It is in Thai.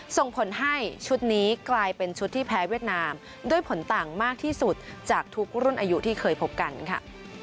ส่งผลให้ชุดนี้กลายเป็นชุดที่แพ้เวียดนามด้วยผลต่างมากที่สุดจากทุกรุ่นอายุที่เคยพบกันค่ะ